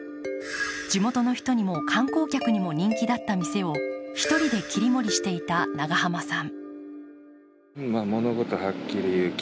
地元の人にも観光客にも人気だった店を１人で切り盛りしていた長濱さん。